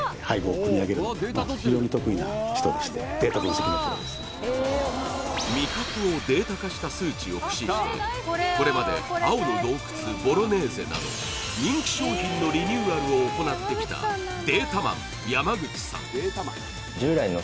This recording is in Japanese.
その味覚をデータ化した数値を駆使してこれまで青の洞窟ボロネーゼなど人気商品のリニューアルを行ってきたデータマン山口さん